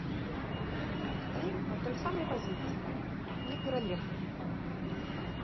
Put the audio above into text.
Стаім на той самай пазіцыі, не пераехалі.